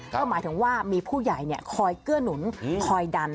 ก็หมายถึงว่ามีผู้ใหญ่คอยเกื้อหนุนคอยดัน